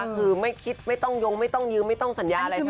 คือไม่ต้องยงไม่ต้องยืมไม่ต้องสัญญาอะไรทั้งสิ้น